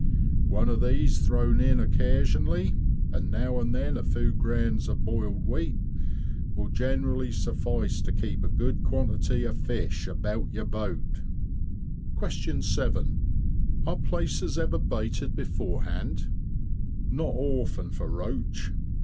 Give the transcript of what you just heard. One of these thrown in occasionally, and now and then a few grains of boiled wheat will generally suffice to keep a good quantity of fish about your boat. 7. Are places ever baited beforehand? Not often for roach.